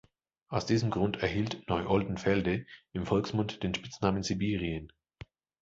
Aus diesem Grund erhielt "Neu-Oldenfelde" im Volksmund den Spitznamen „Sibirien“.